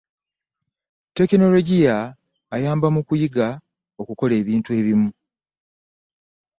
tekinologiya ayamba mu kuyiga okukola ebintu ebimu.